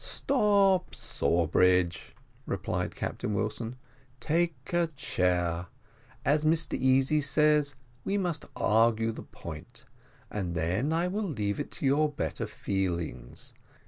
"Stop, Sawbridge," replied Captain Wilson, "take a chair. As Mr Easy says, we must argue the point, and then I will leave it to your better feelings.